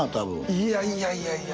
いやいやいやいや。